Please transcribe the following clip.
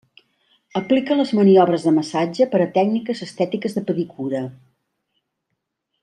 Aplica les maniobres de massatge per a tècniques estètiques de pedicura.